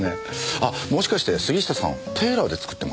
あもしかして杉下さんテーラーで作ってます？